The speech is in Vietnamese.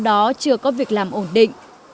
người khuyết tật vừa có việc làm ổn định